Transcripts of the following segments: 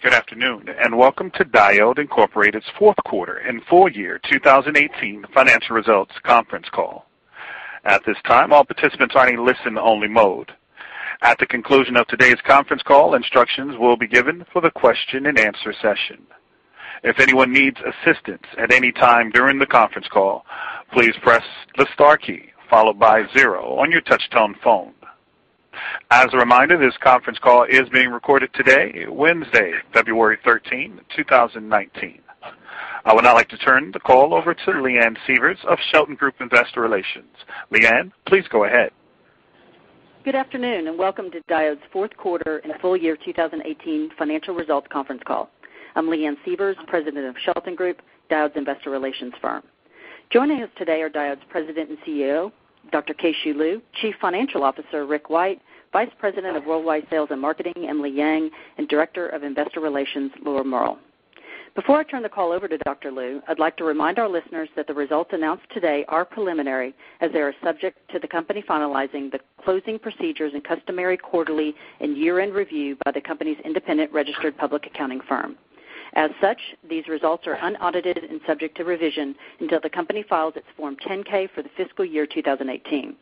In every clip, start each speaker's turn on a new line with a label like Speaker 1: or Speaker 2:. Speaker 1: Good afternoon, welcome to Diodes Incorporated's fourth quarter and full year 2018 financial results conference call. At this time, all participants are in a listen-only mode. At the conclusion of today's conference call, instructions will be given for the question and answer session. If anyone needs assistance at any time during the conference call, please press the star key followed by zero on your touch-tone phone. As a reminder, this conference call is being recorded today, Wednesday, February 13, 2019. I would now like to turn the call over to Leanne Sievers of Shelton Group Investor Relations. Leanne, please go ahead.
Speaker 2: Good afternoon, welcome to Diodes fourth quarter and full year 2018 financial results conference call. I'm Leanne Sievers, president of Shelton Group, Diodes investor relations firm. Joining us today are Diodes President and CEO, Dr. Keh-Shew Lu, Chief Financial Officer, Rick White, Vice President of Worldwide Sales and Marketing, Emily Yang, and Director of Investor Relations, Laura Mehrl. Before I turn the call over to Dr. Lu, I'd like to remind our listeners that the results announced today are preliminary, as they are subject to the company finalizing the closing procedures and customary quarterly and year-end review by the company's independent registered public accounting firm. As such, these results are unaudited and subject to revision until the company files its Form 10-K for the fiscal year 2018.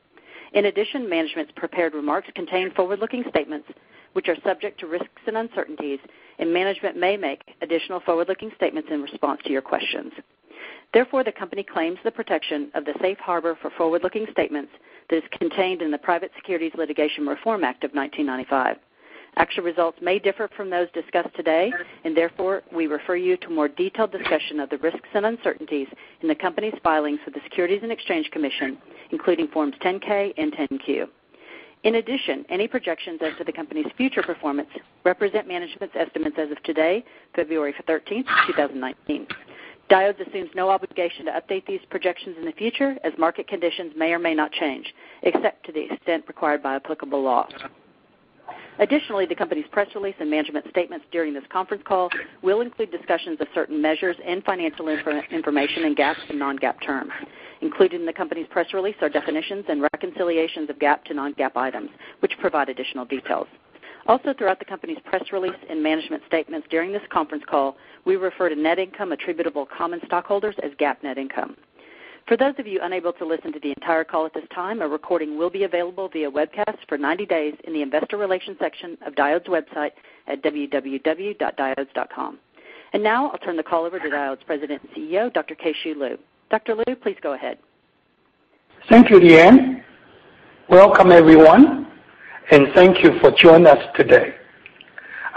Speaker 2: In addition, management's prepared remarks contain forward-looking statements which are subject to risks and uncertainties, management may make additional forward-looking statements in response to your questions. Therefore, the company claims the protection of the safe harbor for forward-looking statements that is contained in the Private Securities Litigation Reform Act of 1995. Actual results may differ from those discussed today, therefore, we refer you to more detailed discussion of the risks and uncertainties in the company's filings for the Securities and Exchange Commission, including Forms 10-K and 10-Q. In addition, any projections as to the company's future performance represent management's estimates as of today, February 13th, 2019. Diodes assumes no obligation to update these projections in the future as market conditions may or may not change, except to the extent required by applicable law. Additionally, the company's press release and management statements during this conference call will include discussions of certain measures and financial information in GAAP and non-GAAP terms. Included in the company's press release are definitions and reconciliations of GAAP to non-GAAP items, which provide additional details. Also throughout the company's press release and management statements during this conference call, we refer to net income attributable common stockholders as GAAP net income. For those of you unable to listen to the entire call at this time, a recording will be available via webcast for 90 days in the investor relation section of Diodes website at www.diodes.com. Now I'll turn the call over to Diodes President and CEO, Dr. Keh-Shew Lu. Dr. Lu, please go ahead.
Speaker 3: Thank you, Leanne. Welcome everyone, and thank you for joining us today.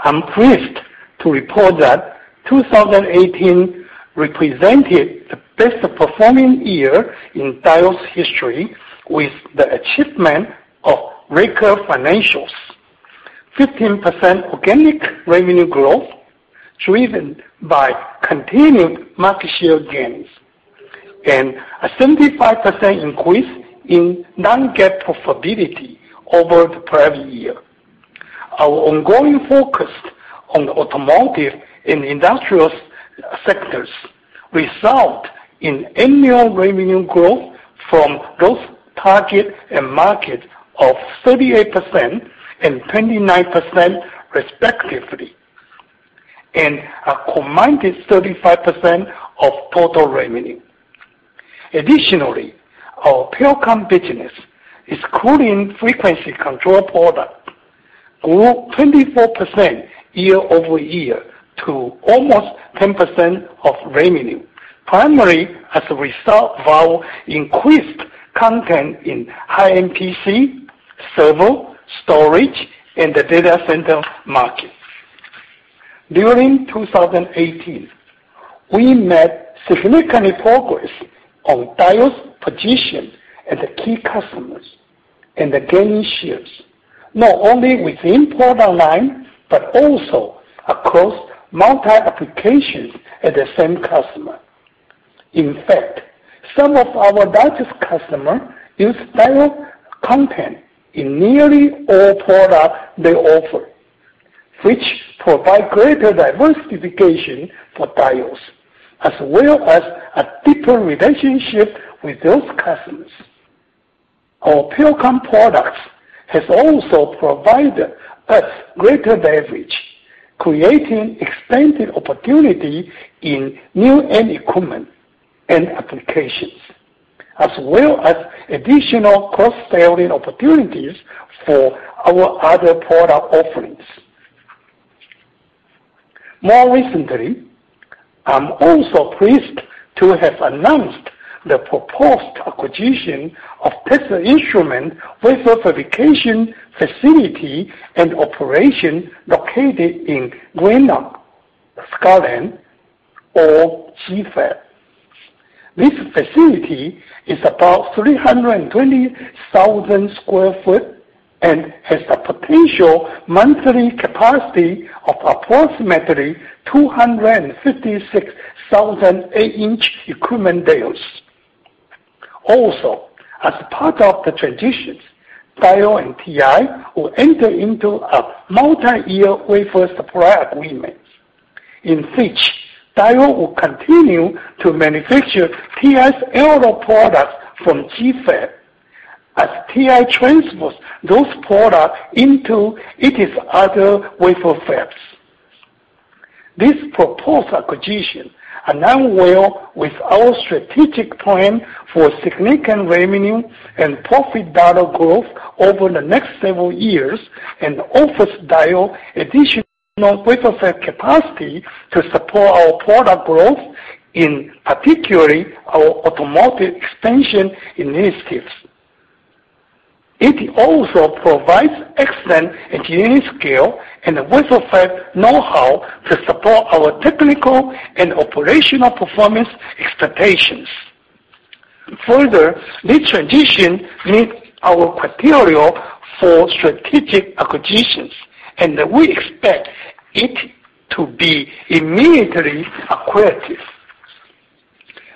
Speaker 3: I'm pleased to report that 2018 represented the best performing year in Diodes history with the achievement of record financials, 15% organic revenue growth driven by continued market share gains, and a 75% increase in non-GAAP profitability over the previous year. Our ongoing focus on the automotive and industrials sectors result in annual revenue growth from both target and market of 38% and 29% respectively, and a combined 35% of total revenue. Additionally, our Pericom business, excluding frequency control product, grew 24% year-over-year to almost 10% of revenue, primarily as a result of our increased content in high-end PC, server, storage, and the data center market. During 2018, we made significant progress on Diodes position at the key customer and the gaining shares, not only within product line, but also across multi-applications at the same customer. In fact, some of our largest customer use Diodes content in nearly all product they offer, which provide greater diversification for Diodes, as well as a deeper relationship with those customers. Our Pericom products has also provided us greater leverage, creating extended opportunity in new end equipment and applications, as well as additional cross-selling opportunities for our other product offerings. More recently, I'm also pleased to have announced the proposed acquisition of Texas Instruments wafer fabrication facility and operation located in Greenock, Scotland, or GFAB. This facility is about 320,000 sq ft and has a potential monthly capacity of approximately 256,000 8 in equipment wafers. As part of the transitions, Diodes and TI will enter into a multi-year wafer supply agreement in which Diodes will continue to manufacture TI's analog products from GFAB transfers those products into its other wafer fabs. This proposed acquisition aligns well with our strategic plan for significant revenue and profit dollar growth over the next several years and offers Diodes additional wafer fab capacity to support our product growth, in particular, our automotive expansion initiatives. It also provides excellent engineering scale and wafer fab know-how to support our technical and operational performance expectations. This transition meets our criteria for strategic acquisitions, and we expect it to be immediately accretive.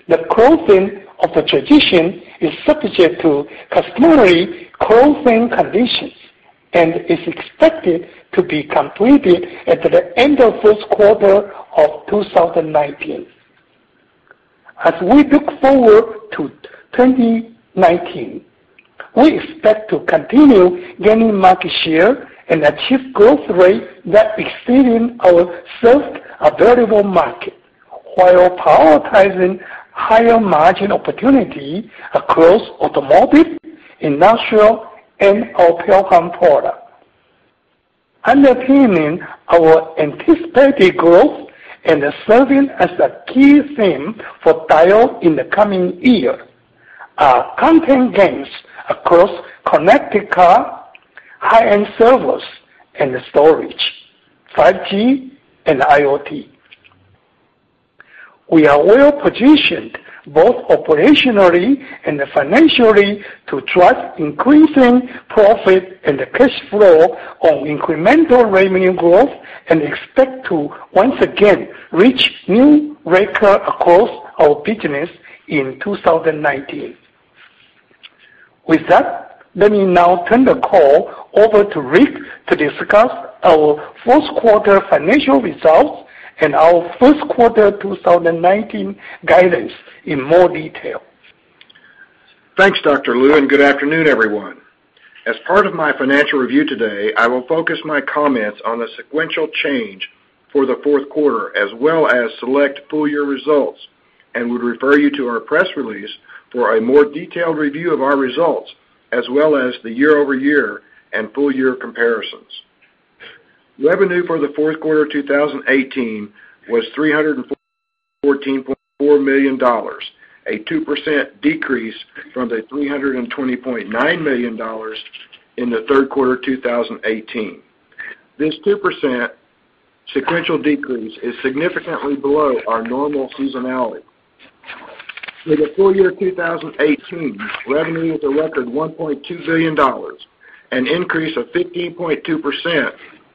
Speaker 3: The closing of the transition is subject to customary closing conditions and is expected to be completed at the end of the first quarter of 2019. As we look forward to 2019, we expect to continue gaining market share and achieve growth rates that exceed our served available market, while prioritizing higher margin opportunity across automotive, industrial, and our telecom products. Underpinning our anticipated growth and serving as a key theme for Diodes in the coming year are content gains across connected car, high-end servers and storage, 5G, and IoT. We are well-positioned, both operationally and financially, to drive increasing profit and cash flow on incremental revenue growth and expect to once again reach new records across our business in 2019. With that, let me now turn the call over to Rick to discuss our fourth quarter financial results and our first quarter 2019 guidance in more detail.
Speaker 4: Thanks, Dr. Lu, good afternoon, everyone. As part of my financial review today, I will focus my comments on the sequential change for the fourth quarter as well as select full-year results, and would refer you to our press release for a more detailed review of our results, as well as the year-over-year and full-year comparisons. Revenue for the fourth quarter 2018 was $314.4 million, a 2% decrease from the $320.9 million in the third quarter 2018. This 2% sequential decrease is significantly below our normal seasonality. For the full year 2018, revenue was a record $1.2 billion, an increase of 15.2%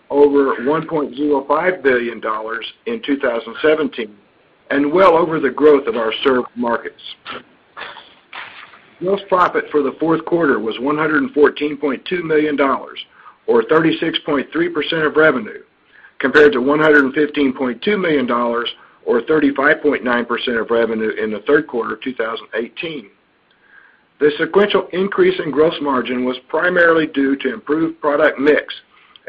Speaker 4: over $1.05 billion in 2017, and well over the growth of our served markets. Gross profit for the fourth quarter was $114.2 million, or 36.3% of revenue, compared to $115.2 million or 35.9% of revenue in the third quarter of 2018. The sequential increase in gross margin was primarily due to improved product mix,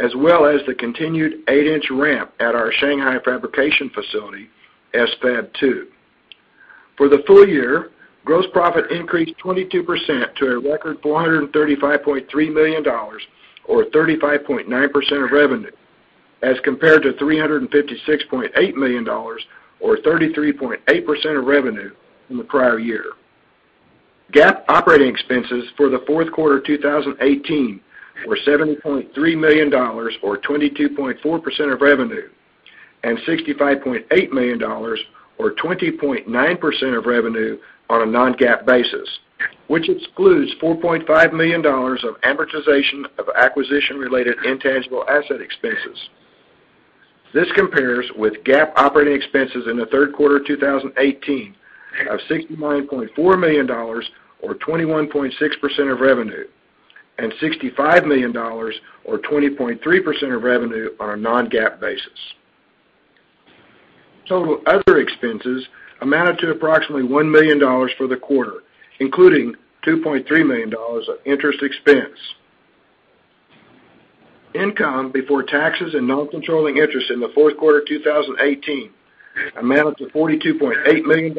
Speaker 4: as well as the continued 8 in ramp at our Shanghai fabrication facility, SFAB2. For the full year, gross profit increased 22% to a record $435.3 million, or 35.9% of revenue, as compared to $356.8 million, or 33.8% of revenue from the prior year. GAAP operating expenses for the fourth quarter 2018 were $70.3 million, or 22.4% of revenue, and $65.8 million, or 20.9% of revenue on a non-GAAP basis, which excludes $4.5 million of amortization of acquisition-related intangible asset expenses. This compares with GAAP operating expenses in the third quarter 2018 of $69.4 million, or 21.6% of revenue, and $65 million, or 20.3% of revenue on a non-GAAP basis. Total other expenses amounted to approximately $1 million for the quarter, including $2.3 million of interest expense. Income before taxes and non-controlling interest in the fourth quarter 2018 amounted to $42.8 million,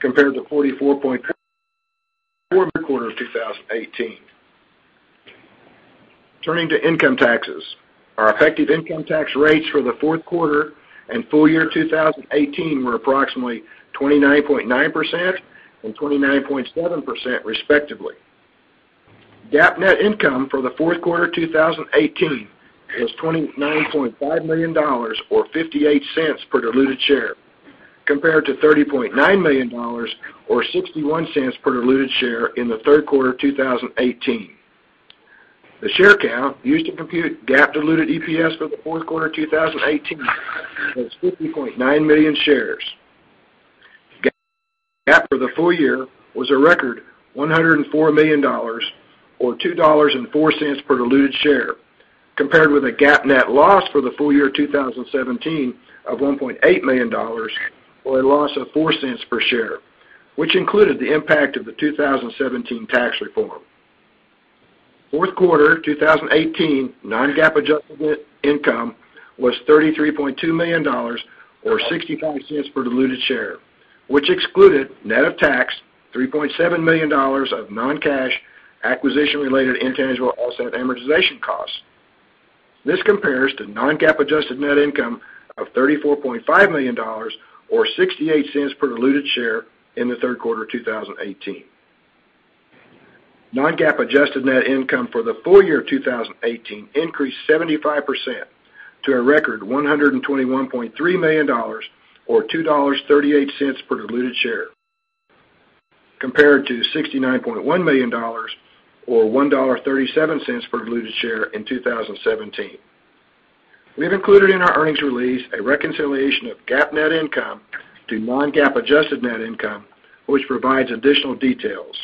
Speaker 4: compared to $44.3 in the fourth quarter of 2018. Turning to income taxes. Our effective income tax rates for the fourth quarter and full year 2018 were approximately 29.9% and 29.7%, respectively. GAAP net income for the fourth quarter 2018 was $29.5 million, or $0.58 per diluted share, compared to $30.9 million, or $0.61 per diluted share in the third quarter 2018. The share count used to compute GAAP diluted EPS for the fourth quarter 2018 was 50.9 million shares. GAAP for the full year was a record $104 million, or $2.04 per diluted share. Compared with a GAAP net loss for the full year 2017 of $1.8 million, or a loss of $0.04 per share, which included the impact of the 2017 tax reform. Fourth quarter 2018 non-GAAP adjusted net income was $33.2 million or $0.65 per diluted share, which excluded net of tax $3.7 million of non-cash acquisition-related intangible asset amortization costs. This compares to non-GAAP adjusted net income of $34.5 million or $0.68 per diluted share in the third quarter of 2018. Non-GAAP adjusted net income for the full year 2018 increased 75% to a record $121.3 million or $2.38 per diluted share, compared to $69.1 million or $1.37 per diluted share in 2017. We have included in our earnings release a reconciliation of GAAP net income to non-GAAP adjusted net income, which provides additional details.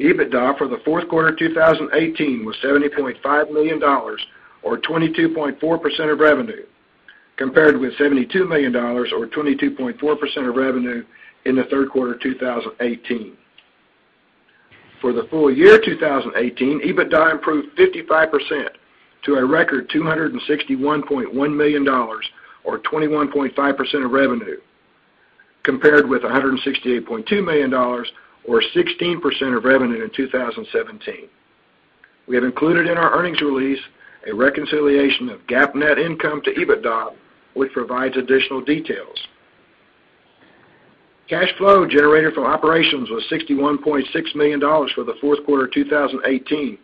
Speaker 4: EBITDA for the fourth quarter 2018 was $70.5 million or 22.4% of revenue, compared with $72 million or 22.4% of revenue in the third quarter 2018. For the full year 2018, EBITDA improved 55% to a record $261.1 million or 21.5% of revenue, compared with $168.2 million or 16% of revenue in 2017. We have included in our earnings release a reconciliation of GAAP net income to EBITDA, which provides additional details. Cash flow generated from operations was $61.6 million for the fourth quarter 2018,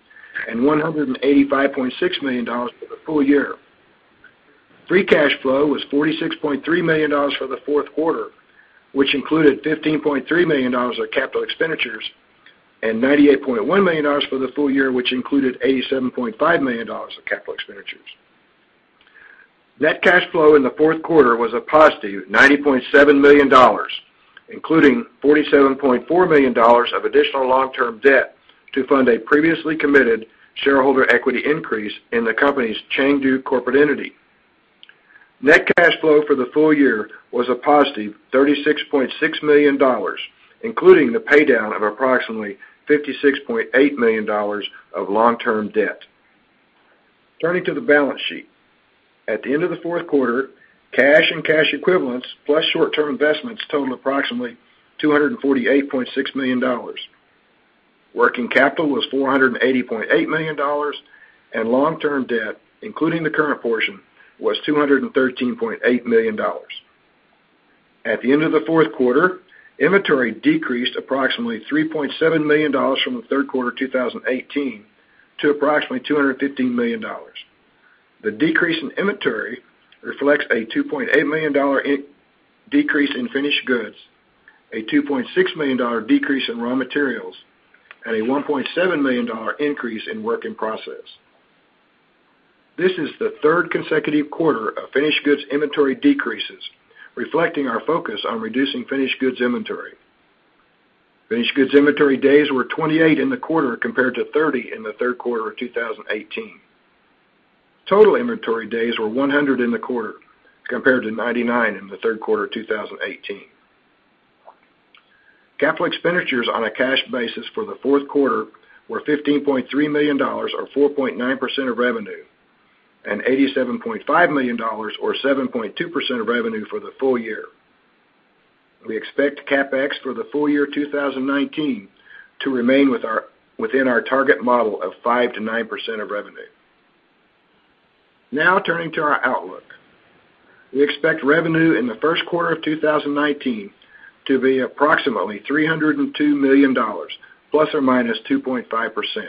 Speaker 4: and $185.6 million for the full year. Free cash flow was $46.3 million for the fourth quarter, which included $15.3 million of capital expenditures and $98.1 million for the full year, which included $87.5 million of capital expenditures. Net cash flow in the fourth quarter was a positive $90.7 million, including $47.4 million of additional long-term debt to fund a previously committed shareholder equity increase in the company's Chengdu corporate entity. Net cash flow for the full year was a positive $36.6 million, including the paydown of approximately $56.8 million of long-term debt. Turning to the balance sheet. At the end of the fourth quarter, cash and cash equivalents, plus short-term investments totaled approximately $248.6 million. Working capital was $480.8 million, and long-term debt, including the current portion, was $213.8 million. At the end of the fourth quarter, inventory decreased approximately $3.7 million from the third quarter 2018 to approximately $215 million. The decrease in inventory reflects a $2.8 million decrease in finished goods, a $2.6 million decrease in raw materials, and a $1.7 million increase in work in process. This is the third consecutive quarter of finished goods inventory decreases, reflecting our focus on reducing finished goods inventory. Finished goods inventory days were 28 in the quarter, compared to 30 in the third quarter of 2018. Total inventory days were 100 in the quarter, compared to 99 in the third quarter of 2018. Capital expenditures on a cash basis for the fourth quarter were $15.3 million or 4.9% of revenue, and $87.5 million or 7.2% of revenue for the full year. We expect CapEx for the full year 2019 to remain within our target model of 5%-9% of revenue. Turning to our outlook. We expect revenue in the first quarter of 2019 to be approximately $302 million, ±2.5%.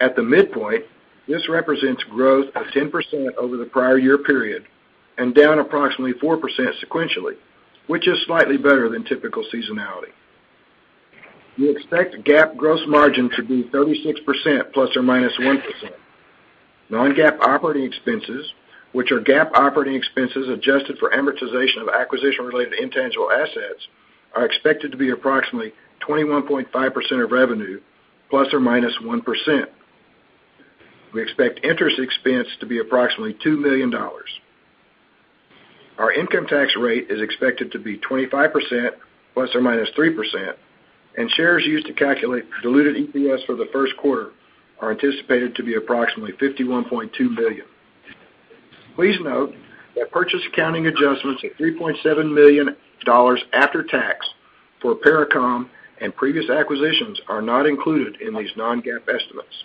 Speaker 4: At the midpoint, this represents growth of 10% over the prior year period and down approximately 4% sequentially, which is slightly better than typical seasonality. We expect GAAP gross margin to be 36%, ±1%. Non-GAAP operating expenses, which are GAAP operating expenses adjusted for amortization of acquisition-related intangible assets, are expected to be approximately 21.5% of revenue, ±1%. We expect interest expense to be approximately $2 million. Our income tax rate is expected to be 25%, ±3%, and shares used to calculate diluted EPS for the first quarter are anticipated to be approximately 51.2 million. Please note that purchase accounting adjustments of $3.7 million after tax for Pericom and previous acquisitions are not included in these non-GAAP estimates.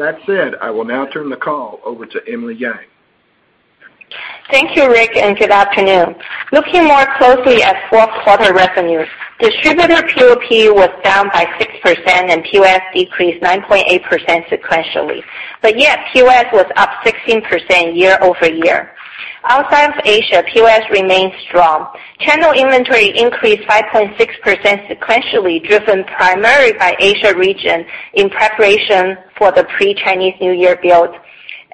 Speaker 4: I will now turn the call over to Emily Yang.
Speaker 5: Thank you, Rick, and good afternoon. Looking more closely at fourth quarter revenues, distributor POP was down by 6% and POS decreased 9.8% sequentially. Yet POS was up 16% year-over-year. Outside of Asia, POS remains strong. Channel inventory increased 5.6% sequentially, driven primarily by Asia region in preparation for the pre-Chinese New Year build,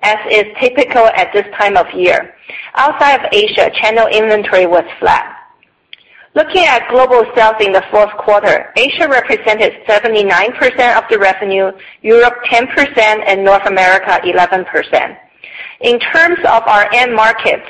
Speaker 5: as is typical at this time of year. Outside of Asia, channel inventory was flat. Looking at global sales in the fourth quarter, Asia represented 79% of the revenue, Europe 10%, and North America 11%. In terms of our end markets,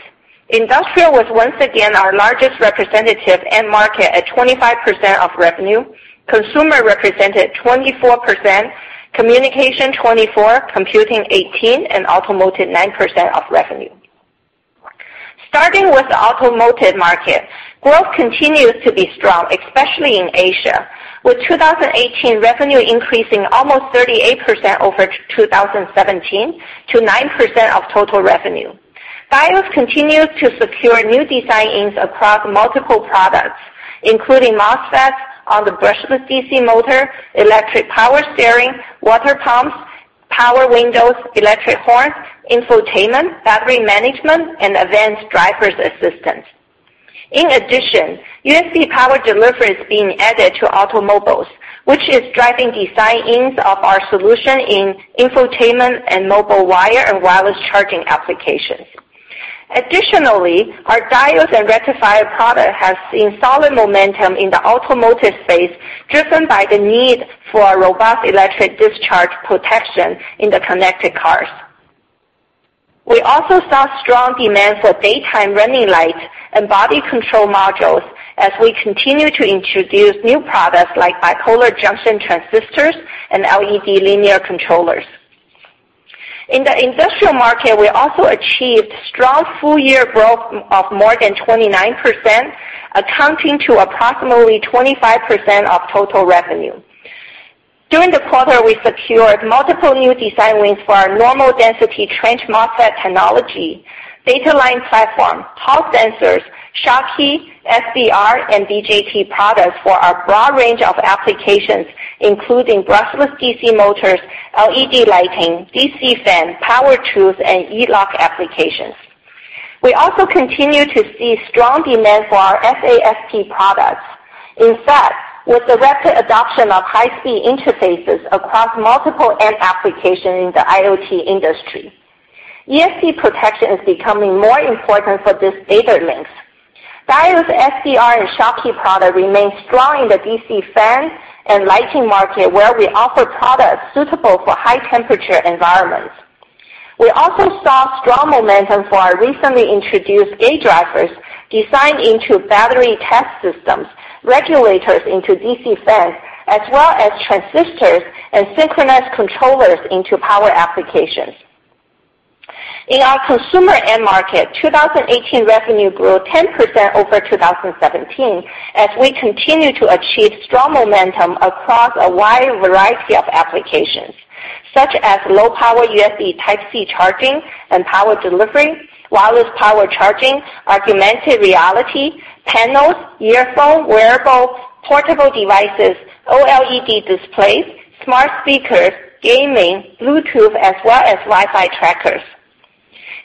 Speaker 5: industrial was once again our largest representative end market at 25% of revenue. Consumer represented 24%, communication 24%, computing 18%, and automotive 9% of revenue. Starting with the automotive market, growth continues to be strong, especially in Asia, with 2018 revenue increasing almost 38% over 2017 to 9% of total revenue. Diodes continues to secure new design wins across multiple products, including MOSFETs on the brushless DC motor, electric power steering, water pumps, power windows, electric horns, infotainment, battery management, and advanced driver's assistance. USB power delivery is being added to automobiles, which is driving design-ins of our solution in infotainment and mobile wire and wireless charging applications. Additionally, our diodes and rectifier product has seen solid momentum in the automotive space, driven by the need for a robust electric discharge protection in the connected cars. We also saw strong demand for daytime running lights and body control modules as we continue to introduce new products like bipolar junction transistors and LED linear controllers. In the industrial market, we also achieved strong full-year growth of more than 29%, accounting to approximately 25% of total revenue. During the quarter, we secured multiple new design wins for our normal density trench MOSFET technology, data line platform, Hall sensors, Schottky, SBR, and BJT products for our broad range of applications, including brushless DC motors, LED lighting, DC fan, power tools, and e-lock applications. We also continue to see strong demand for our FAST products. In fact, with the rapid adoption of high-speed interfaces across multiple end applications in the IoT industry, ESD protection is becoming more important for these data links. Diodes SBR and Schottky product remains strong in the DC fan and lighting market, where we offer products suitable for high-temperature environments. We also saw strong momentum for our recently introduced gate drivers designed into battery test systems, regulators into DC fans, as well as transistors and synchronous controllers into power applications. In our consumer end market, 2018 revenue grew 10% over 2017 as we continue to achieve strong momentum across a wide variety of applications, such as low-power USB Type-C charging and power delivery, wireless power charging, augmented reality, panels, earphones, wearables, portable devices, OLED displays, smart speakers, gaming, Bluetooth, as well as Wi-Fi trackers.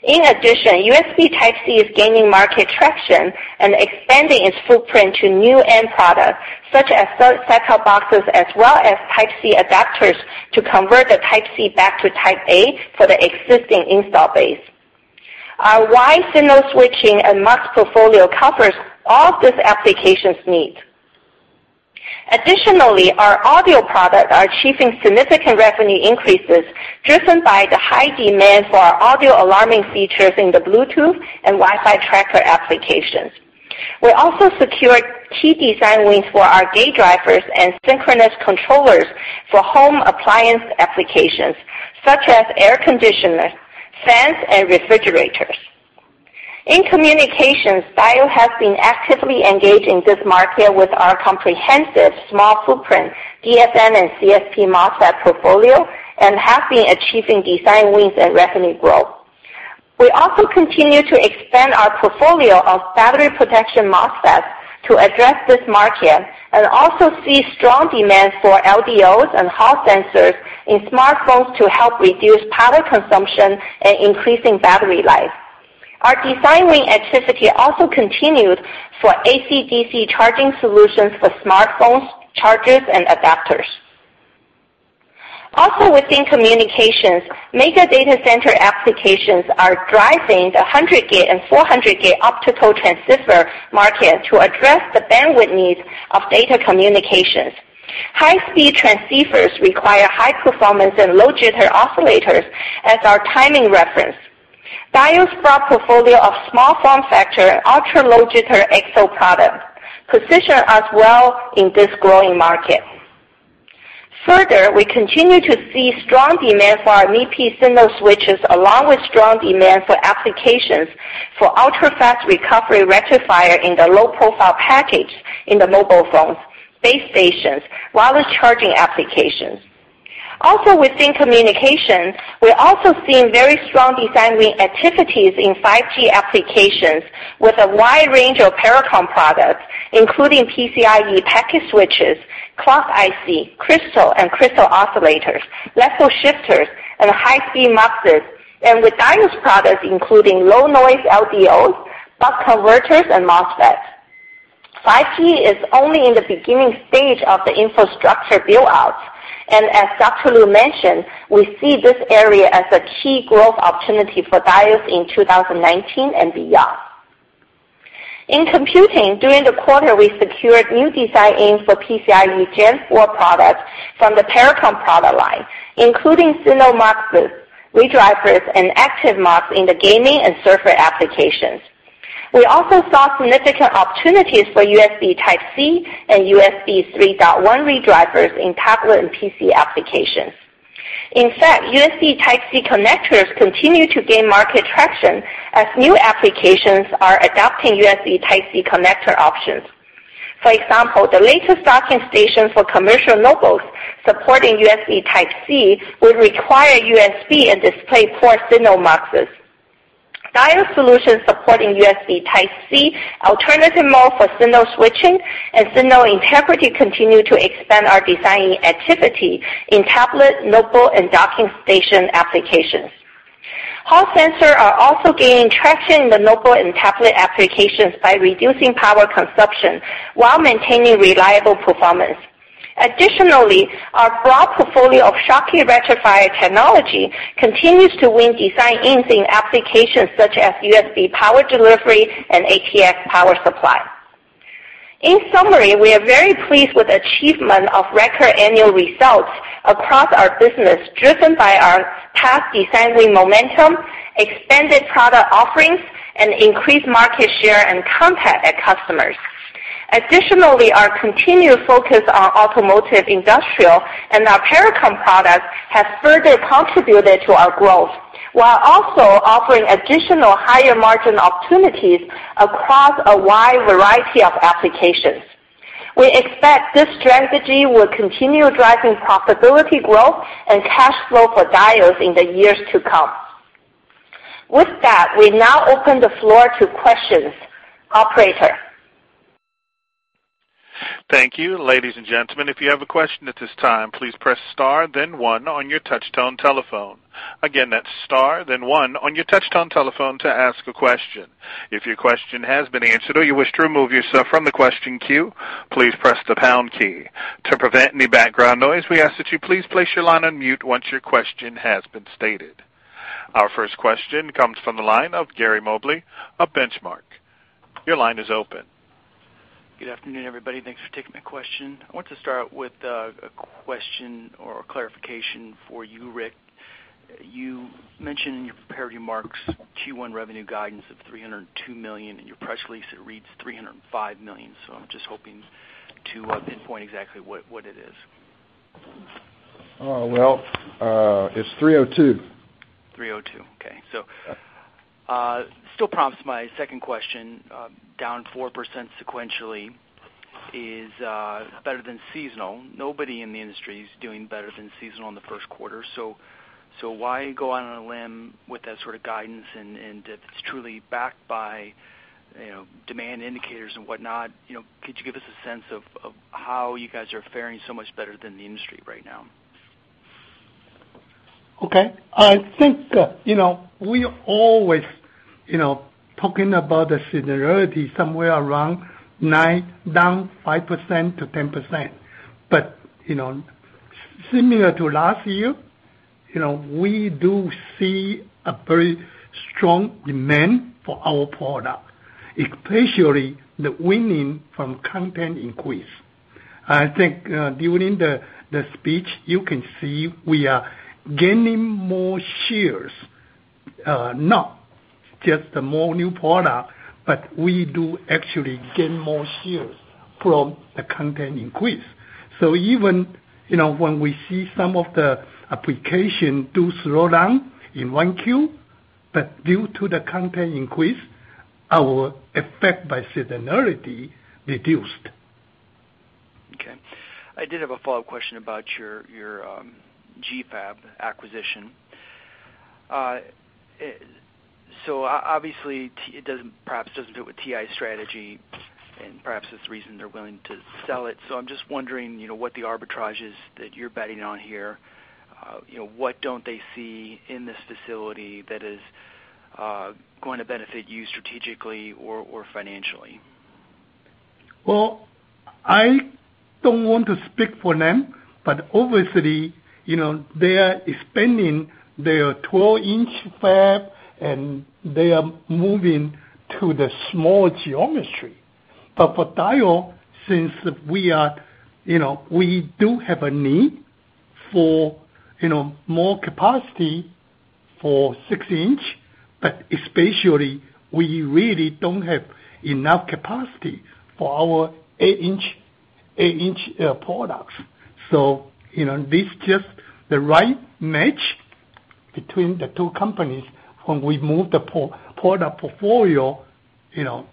Speaker 5: USB Type-C is gaining market traction and expanding its footprint to new end products, such as set-top boxes, as well as Type-C adapters to convert the Type-C back to Type-A for the existing install base. Our wide signal switching and mux portfolio covers all these applications' needs. Our audio products are achieving significant revenue increases driven by the high demand for our audio alarming features in the Bluetooth and Wi-Fi tracker applications. We also secured key design wins for our gate drivers and synchronous controllers for home appliance applications, such as air conditioners, fans, and refrigerators. In communications, Diodes has been actively engaged in this market with our comprehensive small footprint DFN and CSP MOSFET portfolio and has been achieving design wins and revenue growth. We also continue to expand our portfolio of battery protection MOSFETs to address this market and also see strong demand for LDOs and Hall sensors in smartphones to help reduce power consumption and increasing battery life. Our design win activity also continued for AC-DC charging solutions for smartphones, chargers, and adapters. Within communications, mega data center applications are driving the 100G and 400G optical transceiver market to address the bandwidth needs of data communications. High-speed transceivers require high performance and low jitter oscillators as our timing reference. Diodes' broad portfolio of small form factor, ultra-low jitter XO product positions us well in this growing market. Further, we continue to see strong demand for our MIPI signal switches, along with strong demand for applications for ultra-fast recovery rectifier in the low profile package in the mobile phones, base stations, wireless charging applications. Within communication, we are also seeing very strong design win activities in 5G applications with a wide range of Pericom products, including PCIe package switches, clock IC, crystal and crystal oscillators, level shifters, and high-speed muxes, and with Diodes products including low noise LDOs, buck converters, and MOSFETs. 5G is only in the beginning stage of the infrastructure build-outs, and as Dr. Lu mentioned, we see this area as a key growth opportunity for Diodes in 2019 and beyond. In computing, during the quarter, we secured new design aims for PCIe Gen4 products from the Pericom product line, including signal muxes, redrivers, and active mux in the gaming and server applications. We also saw significant opportunities for USB Type-C and USB 3.1 redrivers in tablet and PC applications. In fact, USB Type-C connectors continue to gain market traction as new applications are adopting USB Type-C connector options. For example, the latest docking station for commercial notebooks supporting USB Type-C would require USB and DisplayPort signal muxes. Diodes solutions supporting USB Type-C alternative mode for signal switching and signal integrity continue to expand our designing activity in tablet, notebook, and docking station applications. Hall sensors are also gaining traction in the notebook and tablet applications by reducing power consumption while maintaining reliable performance. Additionally, our broad portfolio of Schottky rectifier technology continues to win design wins in applications such as USB power delivery and ATX power supply. In summary, we are very pleased with the achievement of record annual results across our business, driven by our past design win momentum, expanded product offerings, and increased market share and content at customers. Additionally, our continued focus on automotive, industrial, and our Pericom products has further contributed to our growth, while also offering additional higher margin opportunities across a wide variety of applications. We expect this strategy will continue driving profitability growth and cash flow for Diodes in the years to come. With that, we now open the floor to questions. Operator.
Speaker 1: Thank you. Ladies and gentlemen, if you have a question at this time, please press star then one on your touchtone telephone. Again, that's star then one on your touchtone telephone to ask a question. If your question has been answered or you wish to remove yourself from the question queue, please press the pound key. To prevent any background noise, we ask that you please place your line on mute once your question has been stated. Our first question comes from the line of Gary Mobley of Benchmark. Your line is open.
Speaker 6: Good afternoon, everybody. Thanks for taking my question. I want to start with a question or clarification for you, Rick. You mentioned in your prepared remarks Q1 revenue guidance of $302 million, in your press release, it reads $305 million. I'm just hoping to pinpoint exactly what it is.
Speaker 4: It's $302 million.
Speaker 6: $302 million. Okay. Still prompts my second question, down 4% sequentially is better than seasonal. Nobody in the industry is doing better than seasonal in the first quarter. Why go out on a limb with that sort of guidance, and if it's truly backed by demand indicators and whatnot, could you give us a sense of how you guys are faring so much better than the industry right now?
Speaker 3: Okay. I think we always talk about the seasonality somewhere around down 5%-10%. Similar to last year, we do see a very strong demand for our product, especially the winning from content increase. I think, during the speech, you can see we are gaining more shares, not just the more new product, but we do actually gain more shares from the content increase. Even when we see some of the applications do slow down in one quarter, due to the content increase, our effect by seasonality reduced.
Speaker 6: Okay. I did have a follow-up question about your GFAB acquisition. Obviously, it perhaps doesn't fit with TI strategy and perhaps it's the reason they're willing to sell it. I'm just wondering what the arbitrage is that you're betting on here. What don't they see in this facility that is going to benefit you strategically or financially?
Speaker 3: Well, I don't want to speak for them, but obviously, they are expanding their 12 in fab, and they are moving to the small geometry. For Diodes, since we do have a need for more capacity for 6 in, but especially, we really don't have enough capacity for our 8 in products. This is just the right match between the two companies when we move the product portfolio into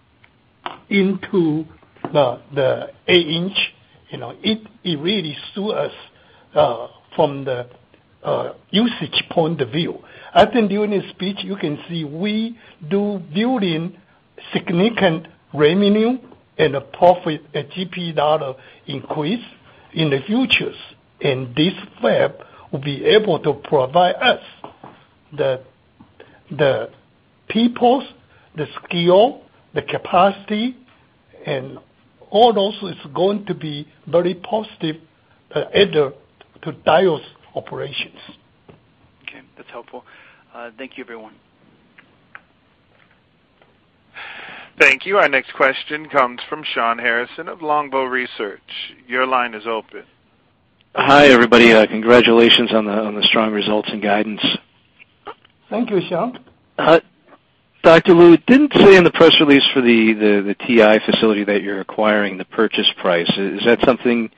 Speaker 3: the 8 in. It really suits us from the usage point of view. I think during the speech, you can see we do build significant revenue and profit, GP dollar increase in the futures, and this fab will be able to provide us the people, the skills, the capacity, and all those are going to be very positive adder to Diodes operations.
Speaker 6: That's helpful. Thank you, everyone.
Speaker 1: Thank you. Our next question comes from Shawn Harrison of Longbow Research. Your line is open.
Speaker 7: Hi, everybody. Congratulations on the strong results and guidance.
Speaker 3: Thank you, Shawn.
Speaker 7: Dr. Lu, it didn't say in the press release for the TI facility that you're acquiring the purchase price. Is that something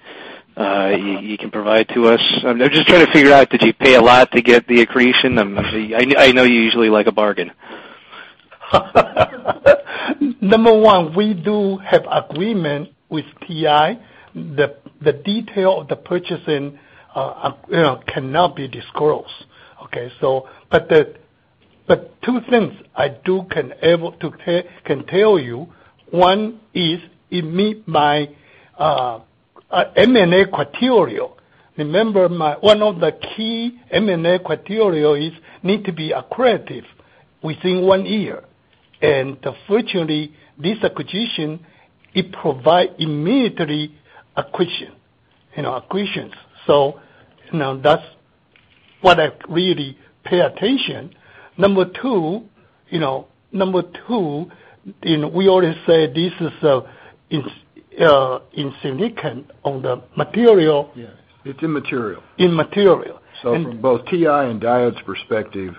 Speaker 7: you can provide to us? I'm just trying to figure out, did you pay a lot to get the accretion? I know you usually like a bargain.
Speaker 3: Number one, we do have agreement with TI. The detail of the purchasing cannot be disclosed, okay. Two things I can tell you. One is it meets my M&A criteria. Remember, one of the key M&A criteria is need to be accretive within one year. Fortunately, this acquisition, it provide immediately accretions. That's what I really pay attention. Number two, we always say this is insignificant on the material.
Speaker 4: Yes. It's immaterial.
Speaker 3: Immaterial.
Speaker 4: From both TI and Diodes perspective,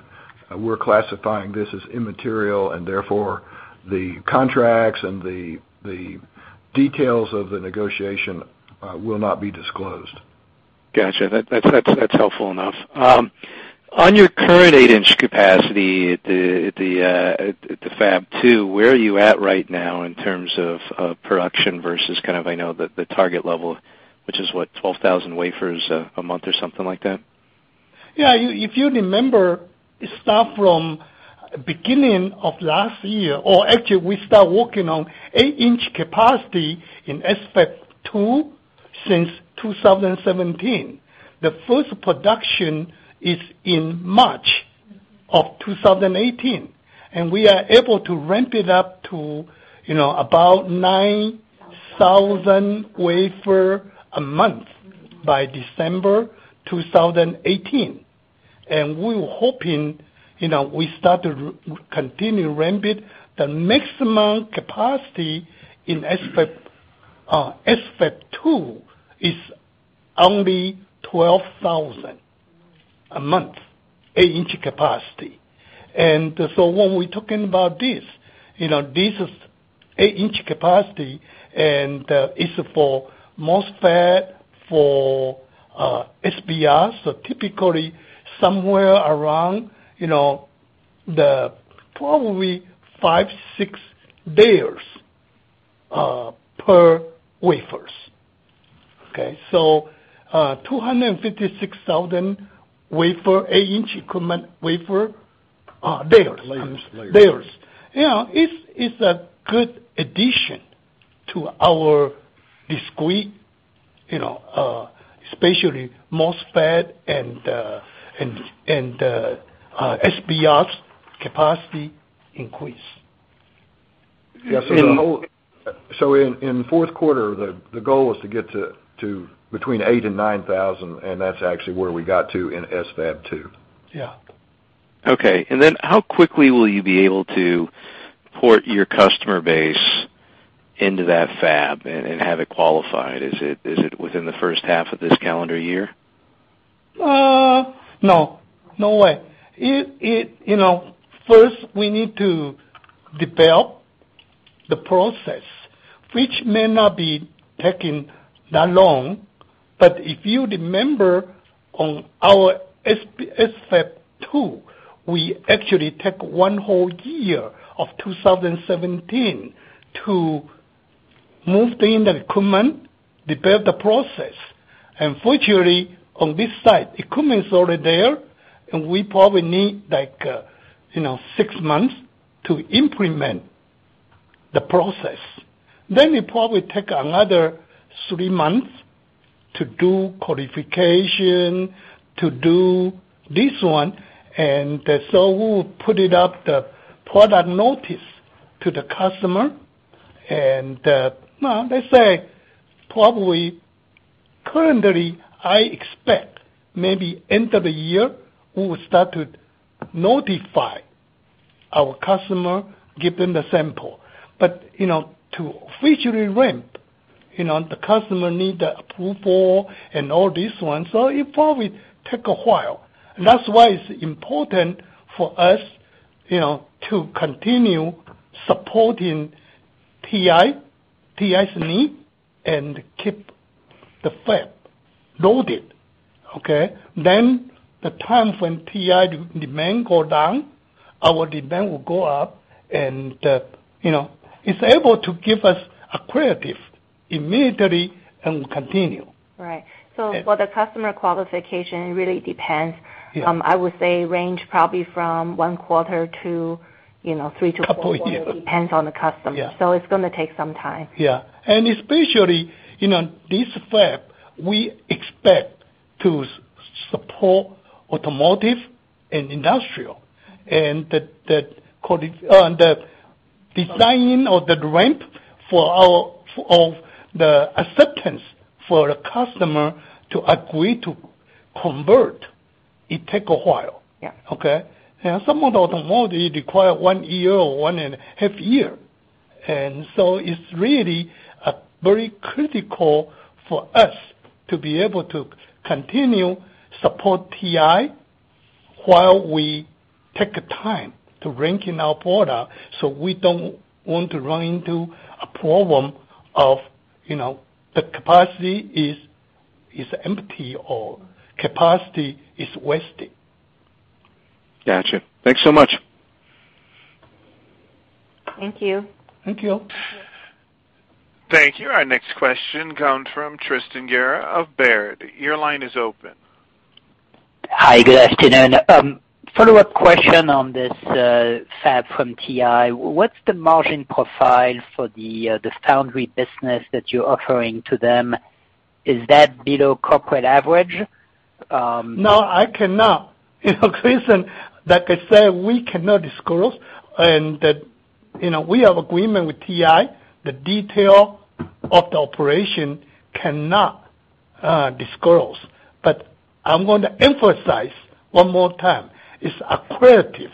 Speaker 4: we're classifying this as immaterial, and therefore, the contracts and the details of the negotiation will not be disclosed.
Speaker 7: Got you. That's helpful enough. On your current 8 in capacity at the FAB2, where are you at right now in terms of production versus the target level, which is what, 12,000 wafers a month or something like that?
Speaker 3: Yeah. If you remember, it start from beginning of last year, or actually we start working on 8 in capacity in SFAB2 since 2017. The first production is in March of 2018, we are able to ramp it up to about 9,000 wafer a month by December 2018. We were hoping, we start to continue ramp it. The maximum capacity in SFAB2 is only 12,000 a month, 8 in capacity. When we're talking about this is 8 in capacity, and it's for MOSFET, for SBR. Typically, somewhere around, probably five, six layers per wafers. Okay. 256,000 wafer, 8 in equipment wafer layers.
Speaker 4: Layers.
Speaker 3: Layers. It's a good addition to our discrete, especially MOSFET and SBR's capacity increase.
Speaker 4: In fourth quarter, the goal was to get to between eight and 9,000, that's actually where we got to in SFAB2.
Speaker 3: Yeah.
Speaker 7: Okay. How quickly will you be able to port your customer base into that fab and have it qualified? Is it within the first half of this calendar year?
Speaker 3: No, no way. First, we need to develop the process, which may not be taking that long, but if you remember on our SFAB2, we actually take one whole year of 2017 to move in the equipment, develop the process. Fortunately, on this side, equipment's already there, and we probably need six months to implement the process. It probably take another three months to do qualification, to do this one. We will put it up the product notice to the customer, and let's say probably currently, I expect maybe end of the year, we will start to notify our customer, give them the sample. To officially ramp, the customer need the approval and all this one. It probably take a while. That's why it's important for us to continue supporting TI's need and keep the fab loaded, okay? The time when TI demand go down, our demand will go up, and it's able to give us accretive immediately and continue.
Speaker 5: Right. For the customer qualification, it really depends.
Speaker 3: Yeah.
Speaker 5: I would say range probably from one quarter to three to four quarter.
Speaker 3: Couple year.
Speaker 5: Depends on the customer.
Speaker 3: Yeah.
Speaker 5: It's going to take some time.
Speaker 3: Yeah. Especially, this fab, we expect to support automotive and industrial. The design or the ramp of the acceptance for the customer to agree to convert, it take a while.
Speaker 7: Yeah.
Speaker 3: Okay. Some of the automotive require one year or one and half year. It's really very critical for us to be able to continue support TI while we take the time to ramp our product, so we don't want to run into a problem of the capacity is empty or capacity is wasted.
Speaker 7: Got you. Thanks so much.
Speaker 5: Thank you.
Speaker 3: Thank you.
Speaker 1: Thank you. Our next question comes from Tristan Gerra of Baird. Your line is open.
Speaker 8: Hi, good afternoon. Follow-up question on this fab from TI. What's the margin profile for the foundry business that you're offering to them? Is that below corporate average?
Speaker 3: No, I cannot. Tristan, like I said, we cannot disclose, and that we have agreement with TI, the detail of the operation cannot disclose. I'm going to emphasize one more time, it's accretive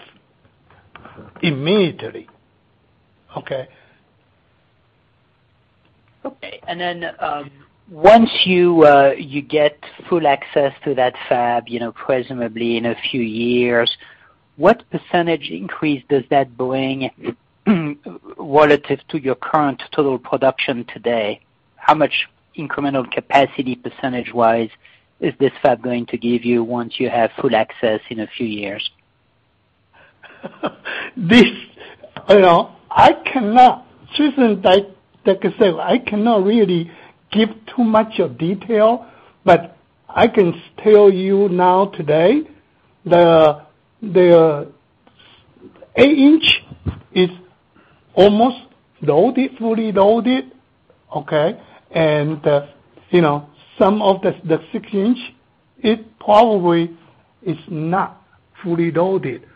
Speaker 3: immediately. Okay?
Speaker 8: Okay. Then, once you get full access to that fab, presumably in a few years, what percentage increase does that bring relative to your current total production today? How much incremental capacity percentage wise is this fab going to give you once you have full access in a few years?
Speaker 3: Tristan, like I said, I cannot really give too much of detail, but I can tell you now today, the 8 in is almost loaded, fully loaded. Okay. Some of the 6 in, it probably is not fully loaded.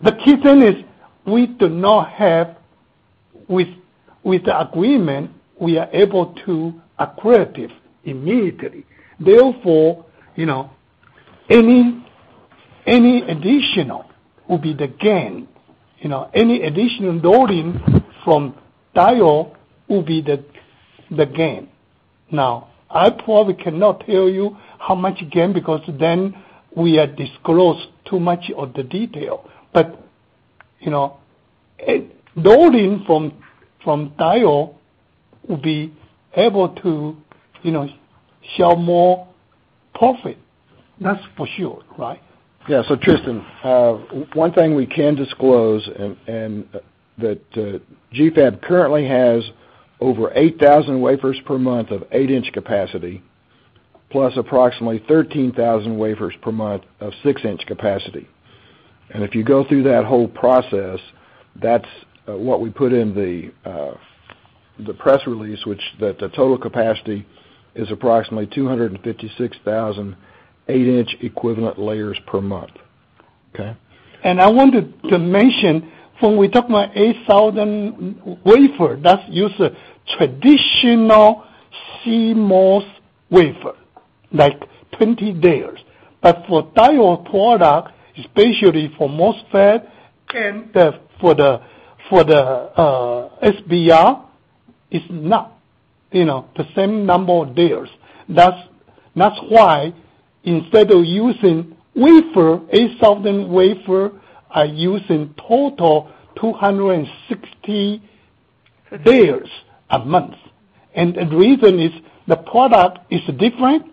Speaker 3: The key thing is, we do not have with the agreement, we are able to accretive immediately. Therefore, any additional will be the gain. Any additional loading from Diodes will be the gain. I probably cannot tell you how much gain because then we have disclosed too much of the detail. Loading from Diodes will be able to show more profit. That's for sure, right.
Speaker 4: Tristan, one thing we can disclose, and that GFAB currently has over 8,000 wafers per month of 8 in capacity, plus approximately 13,000 wafers per month of 6 in capacity. If you go through that whole process, that's what we put in the press release, which the total capacity is approximately 256,000 8 in equivalent layers per month. Okay.
Speaker 3: I wanted to mention, when we talk about 8,000 wafer, that's using traditional CMOS wafer, like 20 layers. For Diodes product, especially for MOSFET and for the SBR, is not the same number of layers. That's why instead of using wafer, 8,000 wafer, are used in total 260 layers a month. The reason is, the product is different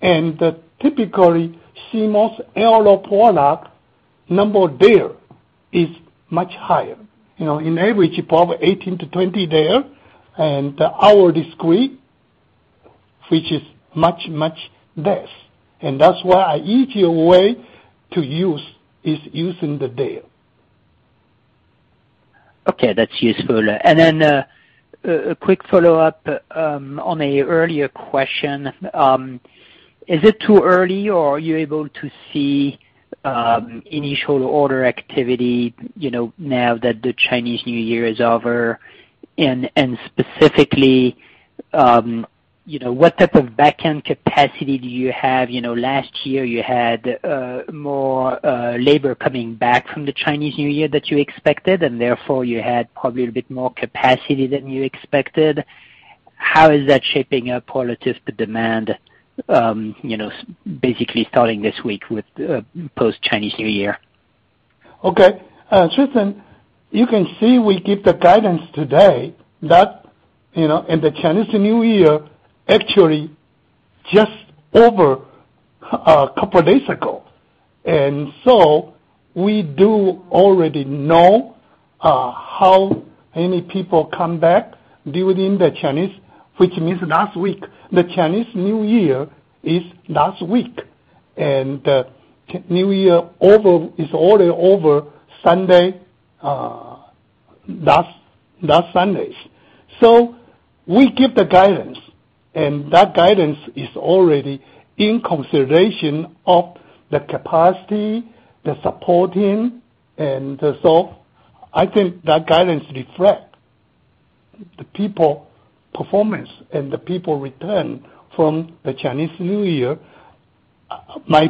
Speaker 3: and typically, CMOS analog product, number of layer is much higher. In average, probably 18 to 20 layer, and our discrete, which is much, much less. That's why easier way to use is using the layer.
Speaker 8: Okay, that's useful. A quick follow-up, on a earlier question. Is it too early or are you able to see initial order activity, now that the Chinese New Year is over? Specifically, what type of backend capacity do you have? Last year you had more labor coming back from the Chinese New Year that you expected, and therefore, you had probably a bit more capacity than you expected. How is that shaping up relative to demand, basically starting this week with post Chinese New Year?
Speaker 3: Okay. Tristan, you can see we give the guidance today that in the Chinese New Year, actually just over a couple days ago. We do already know how many people come back during the Chinese, which means last week. The Chinese New Year is last week. New Year is already over Sunday, last Sunday. So we give the guidance, and that guidance is already in consideration of the capacity, the supporting. I think that guidance reflects the people performance and the people return from the Chinese New Year. My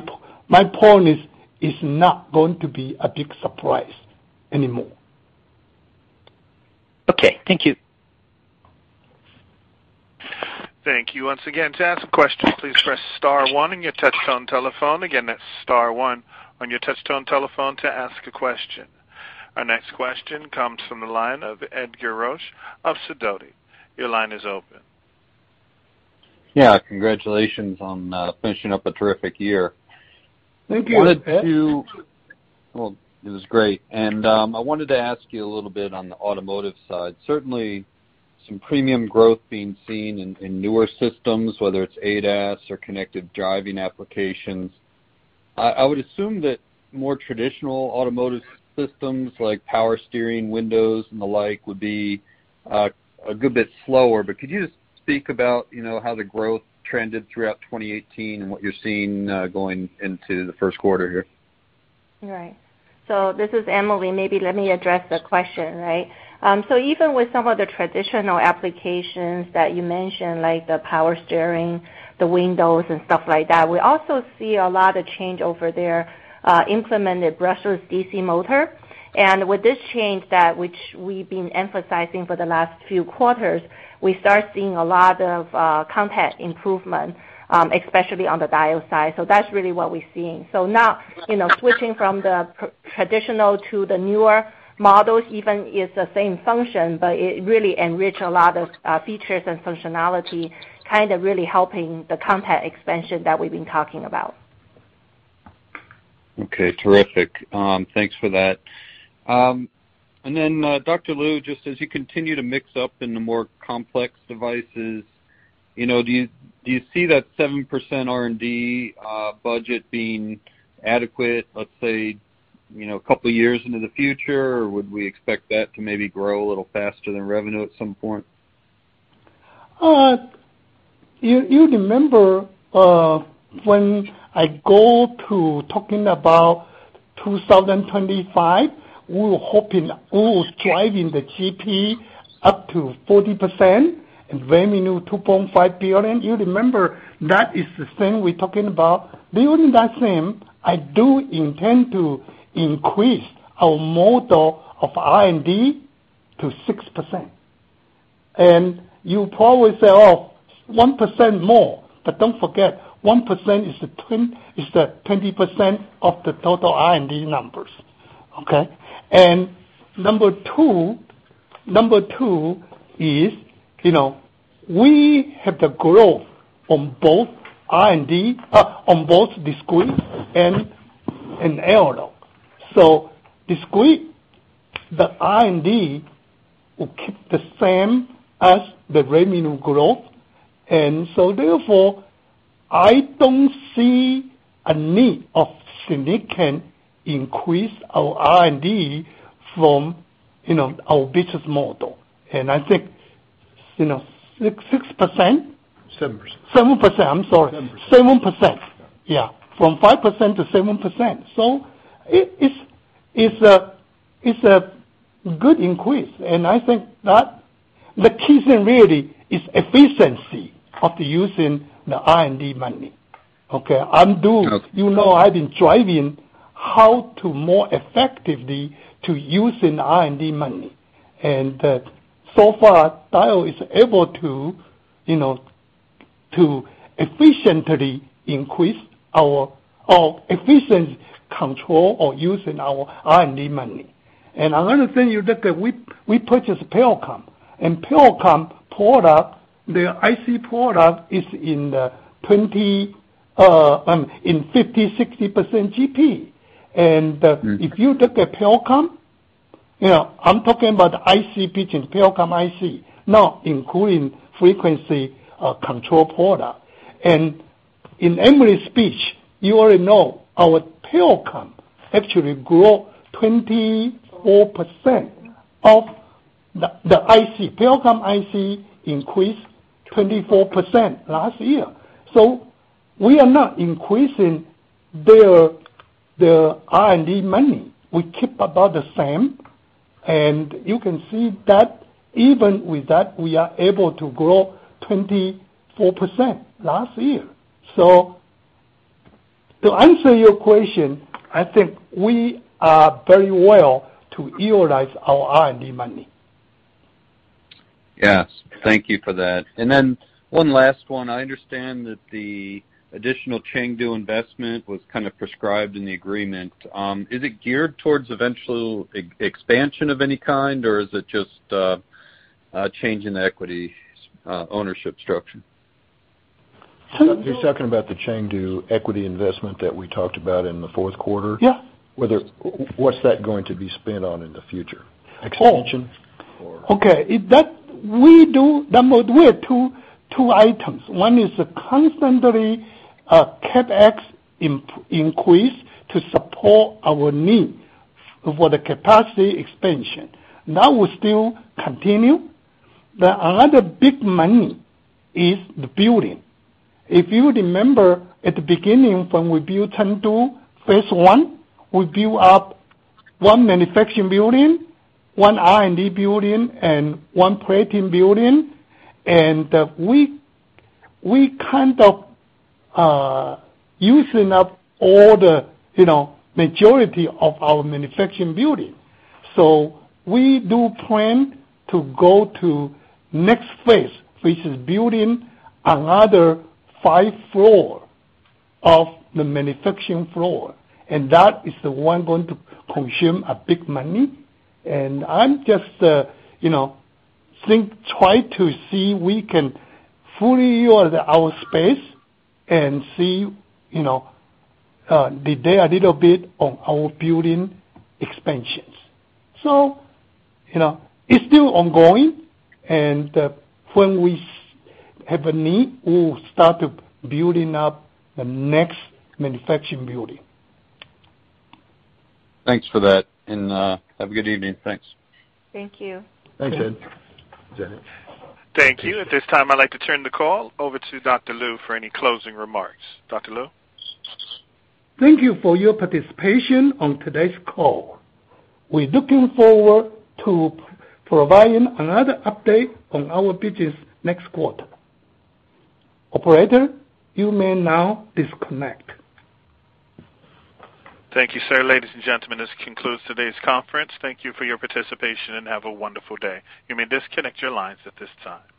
Speaker 3: point is, it's not going to be a big surprise anymore.
Speaker 8: Okay. Thank you.
Speaker 1: Thank you. Once again, to ask a question, please press star one on your touchtone telephone. Again, that's star one on your touchtone telephone to ask a question. Our next question comes from the line of Edgar Roesch of Sidoti. Your line is open.
Speaker 9: Yeah. Congratulations on finishing up a terrific year.
Speaker 3: Thank you, Ed.
Speaker 9: Well, it was great. I wanted to ask you a little bit on the automotive side. Certainly, some premium growth being seen in newer systems, whether it's ADAS or connected driving applications. I would assume that more traditional automotive systems, like power steering, windows, and the like, would be a good bit slower. Could you just speak about how the growth trended throughout 2018 and what you're seeing going into the first quarter here?
Speaker 5: Right. This is Emily. Maybe let me address the question, right? Even with some of the traditional applications that you mentioned, like the power steering, the windows, and stuff like that, we also see a lot of change over there, implemented brushless DC motor. With this change, which we've been emphasizing for the last few quarters, we start seeing a lot of content improvement, especially on the diode side. That's really what we're seeing. Now, switching from the traditional to the newer models, even if it's the same function, it really enrich a lot of features and functionality, kind of really helping the content expansion that we've been talking about.
Speaker 9: Okay. Terrific. Thanks for that. Then, Dr. Lu, just as you continue to mix up in the more complex devices, do you see that 7% R&D budget being adequate, let's say, a couple of years into the future? Would we expect that to maybe grow a little faster than revenue at some point?
Speaker 3: You remember, when I go to talking about 2025, we were hoping, we was driving the GP up to 40%, and revenue $2.5 billion. You remember, that is the same we're talking about. During that same, I do intend to increase our model of R&D to 6%. You probably say, "Oh, 1% more." Don't forget, 1% is the 20% of the total R&D numbers. Okay? Number two is, we have the growth on both discrete and analog. Discrete, the R&D will keep the same as the revenue growth. Therefore, I don't see a need of significant increase our R&D from our business model. I think 6%?
Speaker 4: 7%.
Speaker 3: 7%. I'm sorry.
Speaker 4: 7%.
Speaker 3: 7%. Yeah. From 5% to 7%. It's a good increase, and I think that the key thing really is efficiency of using the R&D money. Okay? You know I've been driving how to more effectively to using R&D money. So far, Diodes is able to efficiently increase our efficient control or using our R&D money. Another thing you look at, we purchased Pericom, and Pericom product, their IC product is in 50%, 60% GP. If you look at Pericom, I'm talking about IC business, Pericom IC, not including frequency control product. In Emily's speech, you already know our Pericom actually grow 24% of the IC. Pericom IC increased 24% last year. We are not increasing the R&D money. We keep about the same, and you can see that even with that, we are able to grow 24% last year. To answer your question, I think we are very well to utilize our R&D money.
Speaker 9: Yes. Thank you for that. Then one last one. I understand that the additional Chengdu investment was kind of prescribed in the agreement. Is it geared towards eventual expansion of any kind, or is it just a change in equity ownership structure?
Speaker 4: He's talking about the Chengdu equity investment that we talked about in the fourth quarter.
Speaker 3: Yeah.
Speaker 4: What's that going to be spent on in the future? Expansion or?
Speaker 3: Okay. We do have two items. One is constantly CapEx increase to support our need for the capacity expansion. That will still continue. The other big money is the building. If you remember at the beginning when we built Chengdu phase one, we built up one manufacturing building, one R&D building, and one plating building. We kind of using up all the majority of our manufacturing building. We do plan to go to next phase, which is building another five floor of the manufacturing floor. That is the one going to consume a big money. I'm just trying to see we can fully use our space and see, delay a little bit on our building expansions. It's still ongoing, and when we have a need, we'll start building up the next manufacturing building.
Speaker 9: Thanks for that. Have a good evening. Thanks.
Speaker 5: Thank you.
Speaker 4: Thanks, Ed.
Speaker 1: Thank you. At this time, I'd like to turn the call over to Dr. Lu for any closing remarks. Dr. Lu?
Speaker 3: Thank you for your participation on today's call. We're looking forward to providing another update on our business next quarter. Operator, you may now disconnect.
Speaker 1: Thank you, sir. Ladies and gentlemen, this concludes today's conference. Thank you for your participation, and have a wonderful day. You may disconnect your lines at this time.